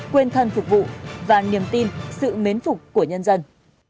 quên thân phục vụ và niềm tin sự mến phục của nhân dân